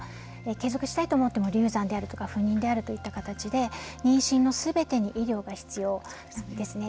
継続したいと思っても流産であるとか不妊であるといった形で妊娠のすべてに医療が必要なんですね。